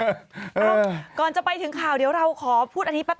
อ้าวก่อนจะไปถึงข่าวเดี๋ยวเราขอพูดอันนี้ปั๊บหนึ่ง